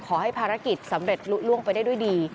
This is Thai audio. ขอให้ภารกิจสำเร็จลุล่วงไปได้ด้วยดี